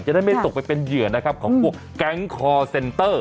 ได้ไม่ตกไปเป็นเหยื่อนะครับของพวกแก๊งคอร์เซนเตอร์